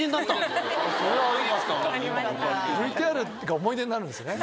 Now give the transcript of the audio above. ＶＴＲが思い出になるんですね